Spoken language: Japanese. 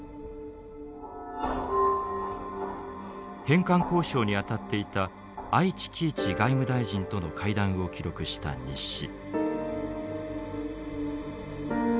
返還交渉に当たっていた愛知揆一外務大臣との会談を記録した日誌。